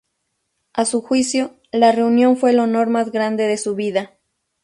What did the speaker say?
A su juicio, la reunión fue el honor más grande de su vida.